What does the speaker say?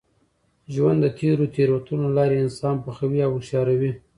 ژوند د تېرو تېروتنو له لاري انسان پخوي او هوښیاروي.